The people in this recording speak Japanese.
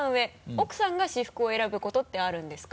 「奥さんが私服を選ぶことってあるんですか？」